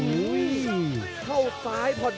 โอ้โหไม่พลาดกับธนาคมโด้แดงเขาสร้างแบบนี้